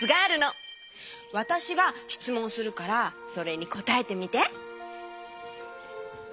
わたしがしつもんするからそれにこたえてみて。